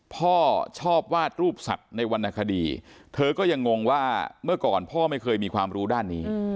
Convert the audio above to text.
พ่อชอบวาดรูปสัตว์ในวรรณคดีเธอก็ยังงงว่าเมื่อก่อนพ่อไม่เคยมีความรู้ด้านนี้